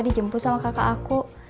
dijemput sama kakak aku